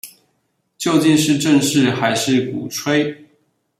究竟是正視還是鼓吹